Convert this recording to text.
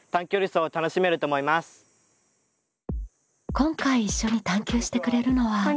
今回一緒に探究してくれるのは。